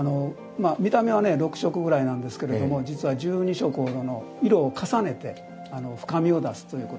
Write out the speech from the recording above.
見た目はね６色ぐらいなんですけれども実は１２色ほどの色を重ねて深みを出すということをね